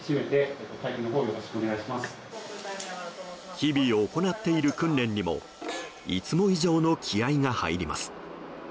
日々行っている訓練にもいつも以上の気合が入ります。